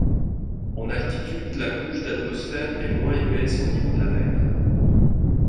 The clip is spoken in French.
En altitude, la couche d'atmosphère est moins épaisse qu'au niveau de la mer.